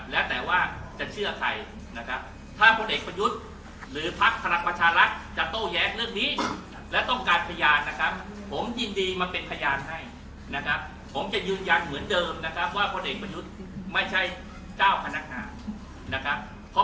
แต่ถ้าเชื่อสารคนเอกประยุทธ์ก็น่าจะเป็นเจ้าหน้าที่รัก